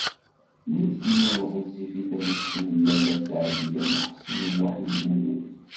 Nitni ur ɣezzifit anect n Lalla Seɛdiya n Ḥsen u Muḥ Lmlud.